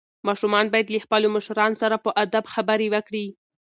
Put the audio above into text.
ماشومان باید له خپلو مشرانو سره په ادب خبرې وکړي.